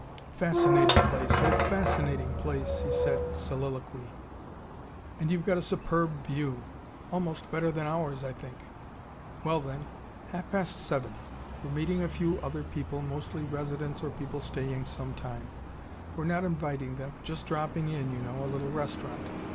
"Fascinating place! Oh, fascinating place!" he said, soliloquy. "And you've got a superb view. Almost better than ours, I think. Well then, half past seven. We're meeting a few other people, mostly residents or people staying some time. We're not inviting them. Just dropping in, you know a little restaurant.